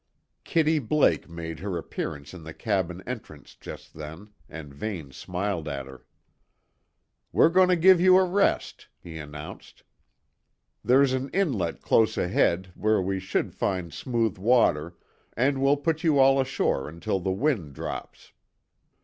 Kitty Blake made her appearance in the cabin entrance just then, and Vane smiled at her. "We're going to give you a rest," he announced. "There's an inlet close ahead where we should find smooth water, and we'll put you all ashore until the wind drops."